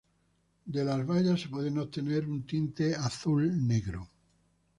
De las bayas se puede obtener un tinte azul-negro.